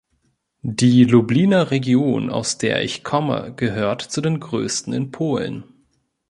Die Lubliner Region, aus der ich komme, gehört zu den größten in Polen.